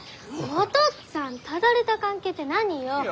お父っつぁんただれた関係って何よ？